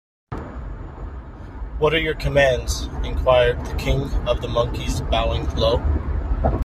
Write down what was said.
What are your commands? enquired the King of the Monkeys, bowing low.